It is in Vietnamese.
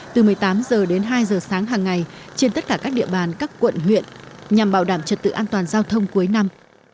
từ một mươi tám h đến hai h sáng hàng ngày trên tất cả các địa bàn các quận huyện nhằm bảo đảm trật tự an toàn giao thông cuối năm